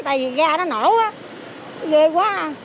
tại vì ga nó nổ ghê quá